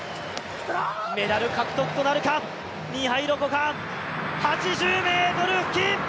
メダル獲得となるか、ミハイロ・コカーン、８０ｍ付近！